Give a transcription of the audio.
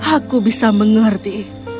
aku bisa mengerti